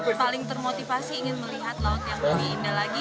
yang paling termotivasi ingin melihat laut yang lebih indah lagi